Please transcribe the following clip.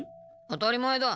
当たり前だ。